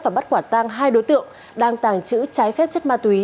và bắt quả tang hai đối tượng đang tàng trữ trái phép chất ma túy